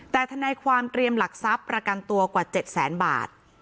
แต่ทนายความเตรียมหลักทรัพย์ประกันตัวกว่า๗แสนบาท